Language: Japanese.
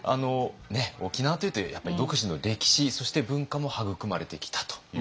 沖縄というとやっぱり独自の歴史そして文化も育まれてきたということですね。